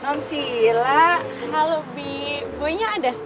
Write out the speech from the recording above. kita bisa ikutan termasuk seorang pemain fingertips